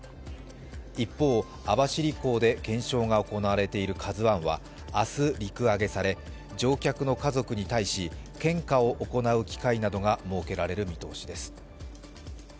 一方、網走港で検証が行われている「ＫＡＺＵⅠ」は明日陸揚げされ、乗客の家族に対し献花を行う機会などが設けられる見通しです。